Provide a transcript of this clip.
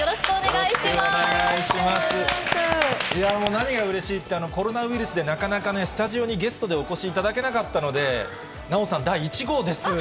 いや、もう何がうれしいって、コロナウイルスでなかなかね、スタジオにゲストでお越しいただけなかったので、奈緒さん、第１号です。